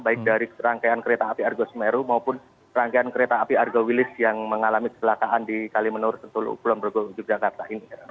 baik dari rangkaian kereta api argo semeru maupun rangkaian kereta api argo wilis yang mengalami keselakaan di kalimantan tentuluk pulau mergo yogyakarta